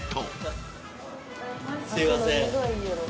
すいません。